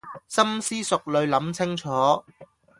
深思熟慮諗清楚